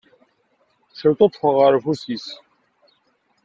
Celtuṭṭfeɣ ɣer ufus-is.